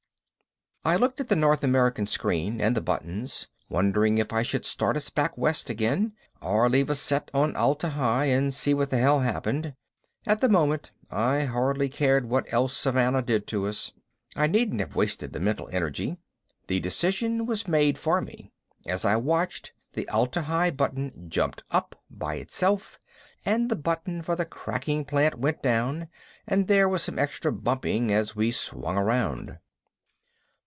I looked at the North America screen and the buttons, wondering if I should start us back west again or leave us set on Atla Hi and see what the hell happened at the moment I hardly cared what else Savannah did to us. I needn't have wasted the mental energy. The decision was made for me. As I watched, the Atla Hi button jumped up by itself and the button for the cracking plant went down and there was some extra bumping as we swung around.